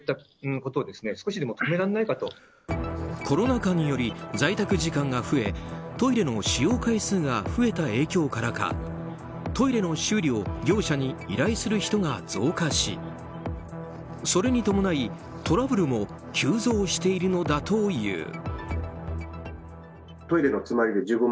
コロナ禍により在宅時間が増えトイレの使用回数が増えた影響からかトイレの修理を業者に依頼する人が増加しそれに伴い、トラブルも急増しているのだという。